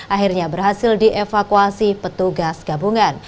akhirnya berhasil dievakuasi petugas gabungan